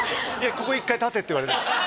ここ１回立てって言われた